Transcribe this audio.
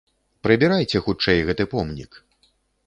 Прыбірайце хутчэй гэты помнік.